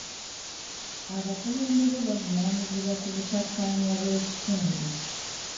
Abakulembeze bavunaanyibwa ku butakkaanya bw'ekitundu.